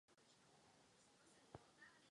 Výskyt v Andách severního Peru.